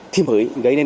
thì mới gây lên